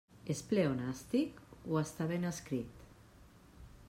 És pleonàstic o està ben escrit?